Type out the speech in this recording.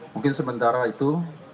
mungkin sementara itu